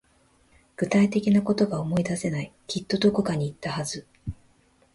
具体的なことが思い出せない。きっとどこかに行ったはず。